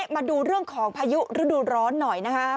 มาดูเรื่องของพายุฤดูร้อนหน่อยนะครับ